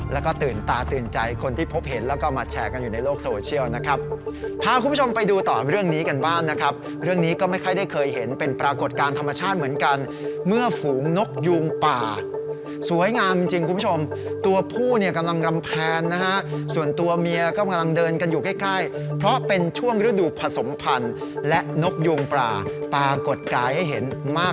แล้วก็ตื่นตาตื่นใจคนที่พบเห็นแล้วก็มาแชร์กันอยู่ในโลกโซเชียลนะครับพาคุณผู้ชมไปดูต่อเรื่องนี้กันบ้างนะครับเรื่องนี้ก็ไม่ค่อยได้เคยเห็นเป็นปรากฏการณ์ธรรมชาติเหมือนกันเมื่อฝูงนกยูงป่าสวยงามจริงจริงคุณผู้ชมตัวผู้เนี่ยกำลังรำแพนนะฮะส่วนตัวเมียก็กำลังเดินกันอยู่ใกล้ใกล้เพราะเป็นช่วงฤดูผสมพันธ์และนกยูงปลาปรากฏกายให้เห็นมาก